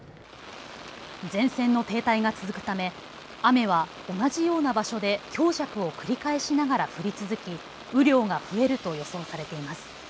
前線の停滞が続くため雨は同じような場所で強弱を繰り返しながら降り続き雨量が増えると予想されています。